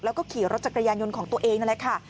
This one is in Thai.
แล้วก็ขี่รถจักรยานยนต์ของตัวเองนั่นแหละค่ะ